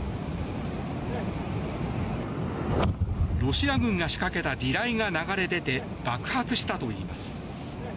ロシア軍が仕掛けた地雷が流れ出て爆発したといいます。